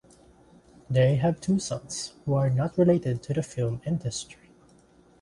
They have two sons who are not related to the Film Industry.